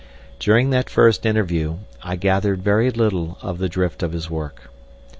During that first interview I gathered very little of the drift of his work.